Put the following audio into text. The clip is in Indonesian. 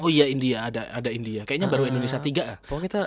oh iya india ada india kayaknya baru indonesia tiga lah